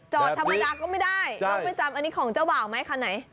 จอดธรรมดาก็ไม่ได้โลกไม่จำอันนี้ของเจ้าบ่าวไหมคันไหน